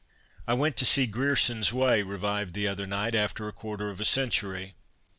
I went to see GriersotCs Way revived the other night after a qjiarter of a century.